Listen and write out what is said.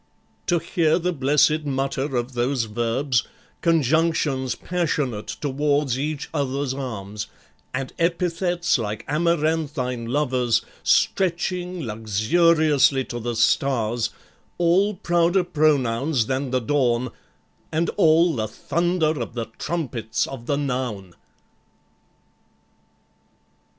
To hear the blessed mutter of those verbs, Conjunctions passionate toward each other's arms, And epithets like amaranthine lovers Stretching luxuriously to the stars, All prouder pronouns than the dawn, and all The thunder of the trumpets of the noun!